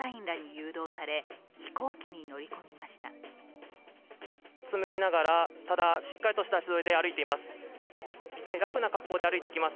うつむきながらただ、しっかりとした足取りで歩いてきます。